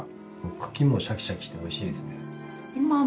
茎もシャキシャキして美味しいですね。